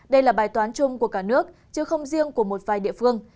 đây là bài toán chung của cả nước chứ không riêng của một vài địa phương